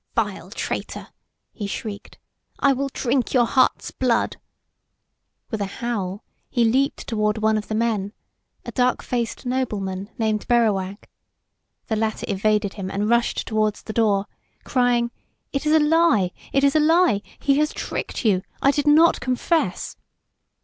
"Vile traitor!" he shrieked, "I will drink your heart's blood!" With a howl he leaped toward one of the men, a darkfaced nobleman named Berrowag. The latter evaded him and rushed toward the door, crying: "It is a lie! a lie! He has tricked you! I did not confess!"